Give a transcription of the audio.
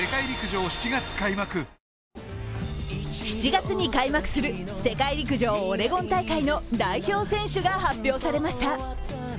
７月に開幕する世界陸上オレゴン大会の代表選手が発表されました。